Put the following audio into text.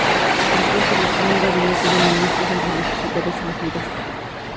El Presidente designa su gabinete de ministros entre los diputados elegidos.